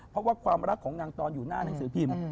เพราะว่าความรักของนางตอนอยู่หน้าหนังสือพิมพ์